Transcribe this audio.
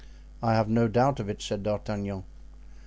"I have no doubt of it," said D'Artagnan.